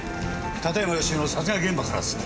館山義男の殺害現場からですね。